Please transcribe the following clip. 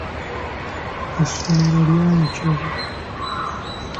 Essomero lya yokebwa.